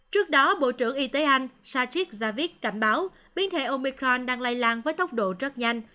trước đó bộ trưởng y tế anh sachit javid cảnh báo biến thể omicron đang lay lan với tốc độ rất nhanh